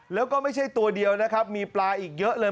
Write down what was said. แล้วก็ไม่ใช่ตัวเดียวนะครับมีปลาอีกเยอะเลย